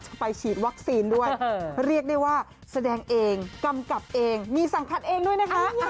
ไปฉีดวัคซีนด้วยเรียกได้ว่าแสดงเองกำกับเองมีสังกัดเองด้วยนะคะ